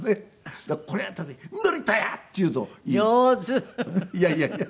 いやいやいや。